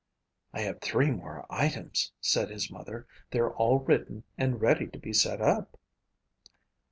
"I have three more items," said his mother. "They're all written and ready to be set up."